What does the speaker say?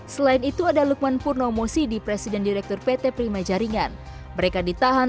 selain itu ada lukman purnomo sidi presiden direktur pt prima jaringan mereka ditahan